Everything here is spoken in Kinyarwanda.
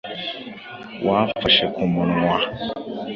Wamfashe nkumwana.